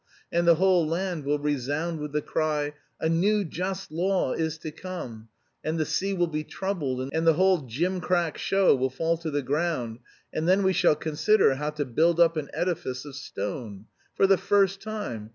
And the whole land will resound with the cry, 'A new just law is to come,' and the sea will be troubled and the whole gimcrack show will fall to the ground, and then we shall consider how to build up an edifice of stone. For the first time!